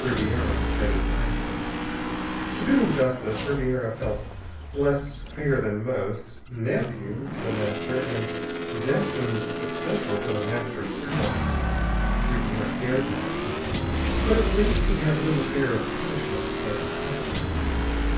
Ribiera had advised him. To do him justice, Ribiera felt less fear than most. Nephew to The Master, and destined successor to The Master's power, Ribiera dared not revolt, but at least he had little fear of punishment for incompetence.